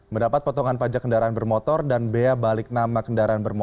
mendapat potongan pajak kendaraan bermotor dan bea balik nama kendaraan bermotor